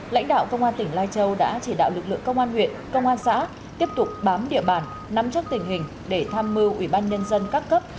lãnh đạo công an tỉnh lai châu đã chỉ đạo lực lượng công an huyện công an xã tiếp tục bám địa bàn nắm chắc tình hình để tham mưu ủy ban nhân dân các cấp